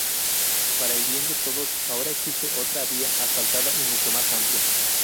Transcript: Para el bien de todos ahora existe otra vía asfaltada y mucho más amplia.